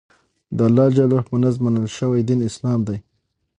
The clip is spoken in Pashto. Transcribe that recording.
دالله ج په نزد منل شوى دين اسلام دى.